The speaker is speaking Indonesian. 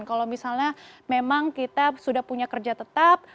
kalau misalnya memang kita sudah punya kerja tetap